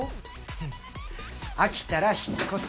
フッ飽きたら引っ越す。